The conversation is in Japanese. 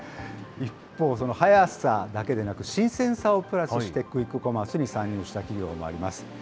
一方、速さだけでなく新鮮さをプラスしてクイックコマースに参入した企業もあります。